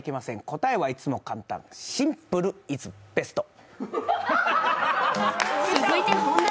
答えはいつも簡単、シンプルイズベスト。